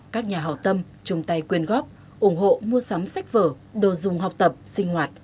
các nhà hào tâm chung tay quyên góp ủng hộ mua sắm sách vở đồ dùng học tập sinh hoạt